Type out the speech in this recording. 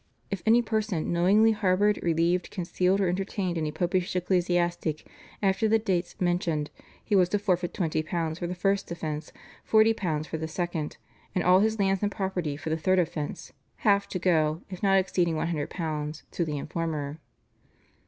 If any person knowingly harboured, relieved, concealed, or entertained any popish ecclesiastic after the dates mentioned he was to forfeit £20 for the first offence, £40 for the second, and all his lands and property for the third offence, half to go (if not exceeding £100) to the informer.